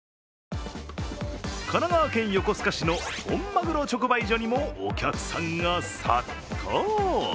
神奈川県横須賀市の本まぐろ直売所にもお客さんが殺到。